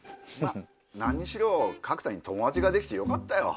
何にしろ角田に友達ができてよかったよ。